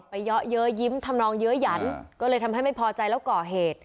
เยาะเยอะยิ้มทำนองเยอะหยันก็เลยทำให้ไม่พอใจแล้วก่อเหตุ